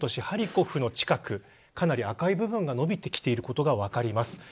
ハリコフの近くかなり赤い部分が伸びてきてることが分かります。